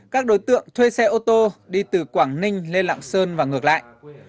các đối tượng thuê xe ô tô đi từ quảng ninh lê lạng sơn và ngược lại